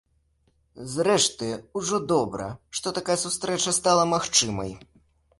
Зрэшты, ужо добра, што такая сустрэча стала магчымай.